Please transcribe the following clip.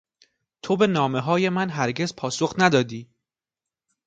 تو به نامههای من هرگز پاسخ ندادی.